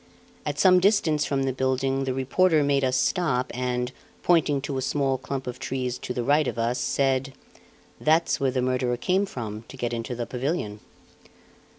At some distance from the building the reporter made us stop and, pointing to a small clump of trees to the right of us, said: "That's where the murderer came from to get into the pavilion."